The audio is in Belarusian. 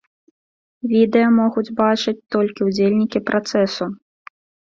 Відэа могуць бачыць толькі ўдзельнікі працэсу.